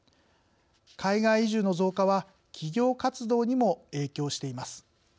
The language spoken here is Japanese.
海外移住の増加は企業活動にも影響しています。